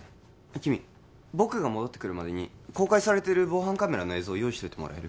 君僕が戻ってくるまでに公開されてる防犯カメラの映像用意しといてもらえる？